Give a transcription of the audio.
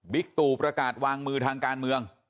ตู่ประกาศวางมือทางการเมือง